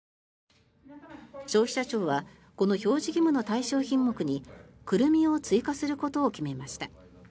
消費者庁はこの表示義務の対象品目にクルミを追加することを決めました。